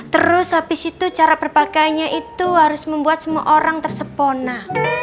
terus habis itu cara berpakainya itu harus membuat semua orang tersepona